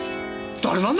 誰なんだ？